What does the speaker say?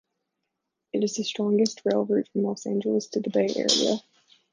It is the shortest rail route from Los Angeles to the Bay Area.